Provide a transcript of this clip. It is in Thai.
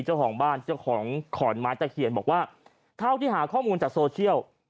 เจ้าของบ้านเจ้าของขอนไม้ตะเคียนบอกว่าเท่าที่หาข้อมูลจากโซเชียล